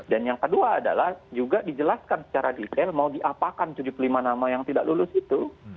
dan yang kedua adalah juga dijelaskan secara detail mau diapakan tujuh puluh lima nama yang tidak lulus itu